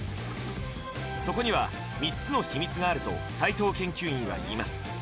そこには３つの秘密があると斉藤研究員はいいます